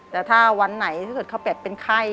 แต่ถ้าวันไหนถ้าเกิดเขาแบบเป็นไข้